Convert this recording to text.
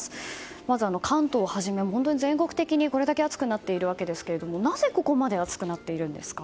まず、関東をはじめ全国的にこれだけ暑くなっているわけですけれどもなぜ、ここまで暑くなっているんですか？